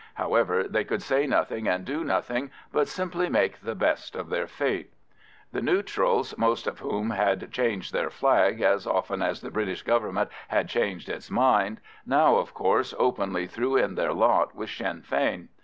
However, they could say nothing and do nothing, but simply make the best of their fate. The neutrals, most of whom had changed their flag as often as the British Government had changed its mind, now, of course, openly threw in their lot with Sinn Fein.